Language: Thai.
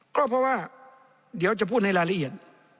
ก็เพราะว่าเดี๋ยวจะพูดในรายละเอียด